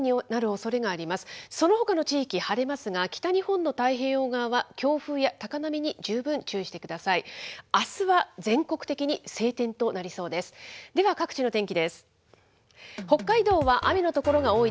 そのほかの地域晴れますが、北日本の太平洋側は、強風や高波に十分注意してください。